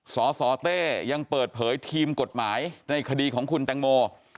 สสเต้ยังเปิดเผยทีมกฎหมายในคดีของคุณแตงโม